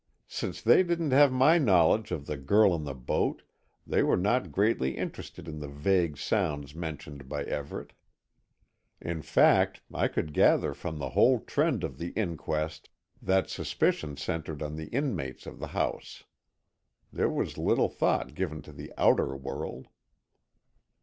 Since they didn't have my knowledge of the girl in the boat, they were not greatly interested in the vague sounds mentioned by Everett. In fact, I could gather from the whole trend of the inquest that suspicion centred on the inmates of the house. There was little thought given to the outer world.